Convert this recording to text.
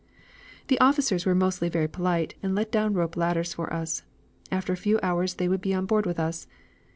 "The officers were mostly very polite, and let down rope ladders for us. After a few hours they would be on board with us.